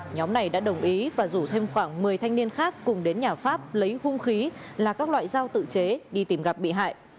nhóm này đã đồng ý và rủ thêm khoảng một mươi thanh niên khác cùng đến nhà pháp lấy hung khí là các loại dao tự chế đi tìm gặp bị hại